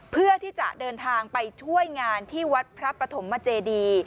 เพื่อที่จะเดินทางไปช่วยงานที่วัดพระปฐมเจดี